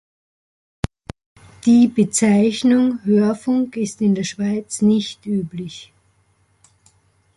Die Bezeichnung "Hörfunk" ist in der Schweiz nicht üblich.